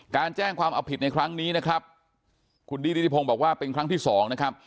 การแจ้งความเอาผิดในครั้งนี้นะครับคุณดี้นิติพงศ์บอกว่าเป็นครั้งที่สองนะครับ